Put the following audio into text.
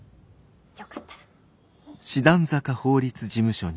よかったら。